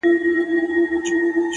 هره تجربه د ژوند نوی درس دی!